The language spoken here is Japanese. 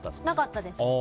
なかったです。